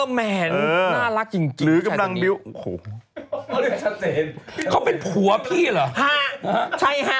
เออแหมนเออน่ารักจริงจริงหรือกำลังโอ้โหเขาเป็นผัวพี่เหรอฮะใช่ฮะ